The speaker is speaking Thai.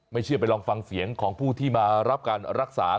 เชื่อไปลองฟังเสียงของผู้ที่มารับการรักษา